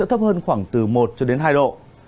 hơn khoảng từ một hai độ